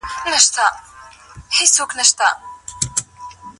مطالعه د فکر پراخوالي سبب کېږي.